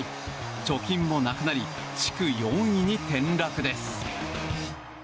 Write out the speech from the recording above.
貯金もなくなり地区４位に転落です。